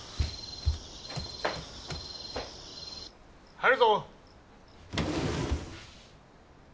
・入るぞ。